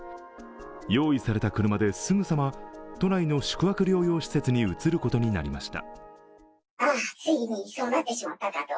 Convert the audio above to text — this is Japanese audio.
用意された車ですぐさま都内の宿泊療養施設に移ることになりました。